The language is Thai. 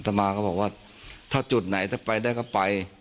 มาก็บอกว่าถ้าจุดไหนถ้าไปได้ก็ไป